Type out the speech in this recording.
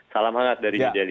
salam hangat dari new delhi